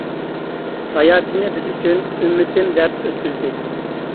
ھاياتىنى بىز ئۈچۈن، ئۈممىتىم دەپ ئۆتكۈزدى.